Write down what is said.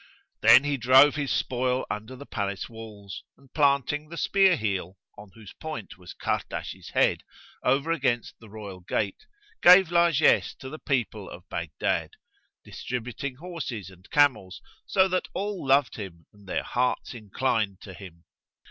Then he drove his spoil under the palace walls; and, planting the spear heel, on whose point was Kahrdash's head, over against the royal gate, gave largesse to the people of Baghdad, distributing horses and camels, so that all loved him and their hearts inclined to him.